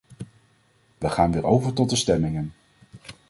We gaan weer over tot de stemmingen.